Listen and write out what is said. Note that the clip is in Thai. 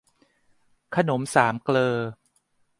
ขนมสามเกลอ